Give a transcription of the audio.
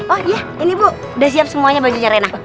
oh iya ini bu udah siap semuanya bajunya renang